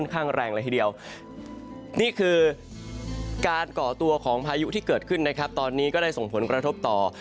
การก่อตัวของพายุที่เกิดขึ้นตอนนี้ก็ได้ส่งผลกระทบต่อ